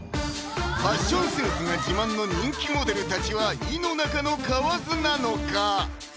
ファッションセンスが自慢の人気モデルたちは井の中の蛙なのか？